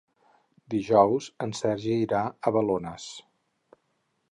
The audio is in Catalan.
Dijous en Sergi irà a Balones.